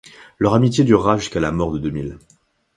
Leur amitié durera jusqu'à la mort de DeMille.